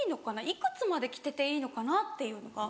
いくつまで着てていいのかな？っていうのが。